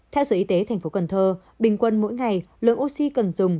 theo sở y tế tp cn bình quân mỗi ngày lượng oxy cần dùng